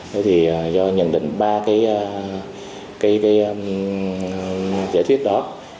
thế thì do nhận định ba cái giải thích đó